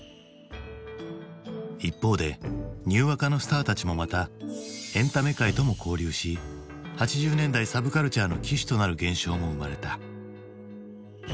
一方でニューアカのスターたちもまたエンタメ界とも交流し８０年代サブカルチャーの旗手となる現象も生まれた。